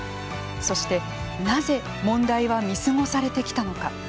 そして、なぜ問題は見過ごされてきたのか。